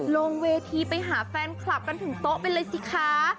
ลงเวทีไปหาแฟนคลับกันถึงโต๊ะไปเลยสิคะ